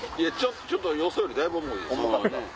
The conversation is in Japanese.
ちょっと予想よりだいぶ重い。